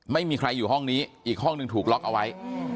ไม่มีใครอยู่ห้องนี้อีกห้องหนึ่งถูกล็อกเอาไว้